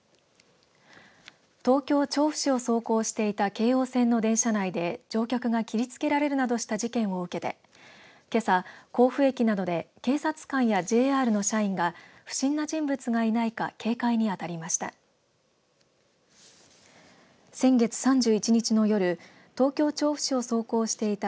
東京、調布市を走行していた京王線の電車内で乗客が切りつけられるなどした事件を受けてけさ、甲府駅などで警察官やＪＲの社員が不審な人物がいないか警戒にあたりました。